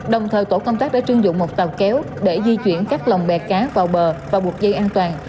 đồng thời tổ công tác đã chưng dụng một tàu kéo để di chuyển các lòng bè cá vào bờ và buộc dây an toàn